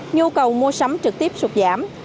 nhu cầu mua sắm trực tiếp sụt giảm